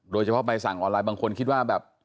โดยเฉพาะใบสั่งออนไลน์บางคนคิดว่าแบบ